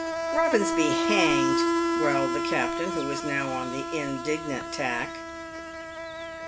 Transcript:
" Eobins be hanged !" growled the captain, who was now on the indignant tack.